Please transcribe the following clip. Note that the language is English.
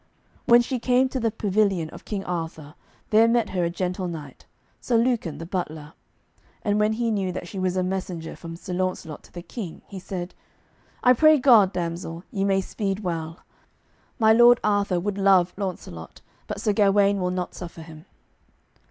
When she came to the pavilion of King Arthur there met her a gentle knight, Sir Lucan the butler, and when he knew that she was a messenger from Sir Launcelot to the King he said: "I pray God, damsel, ye may speed well. My Lord Arthur would love Launcelot, but Sir Gawaine will not suffer him."